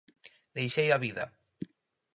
Deixei a vida.